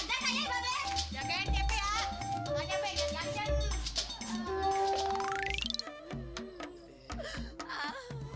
sama sama jaga ya mbak be